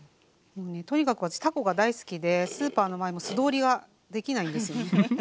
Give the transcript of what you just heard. とにかく私たこが大好きでスーパーの前も素通りができないんですよね。